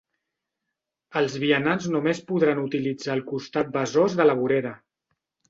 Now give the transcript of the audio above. Els vianants només podran utilitzar el costat Besòs de la vorera.